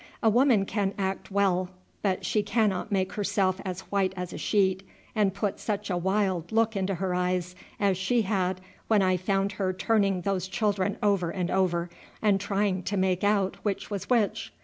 A woman can act well, but she cannot make herself as white as a sheet and put such a wild look into her eyes as she had when I found her turning those children over and over, and trying to make out which was which.